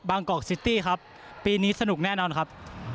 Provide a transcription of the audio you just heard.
กอกซิตี้ครับปีนี้สนุกแน่นอนครับ